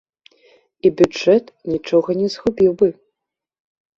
І бюджэт нічога не згубіў бы.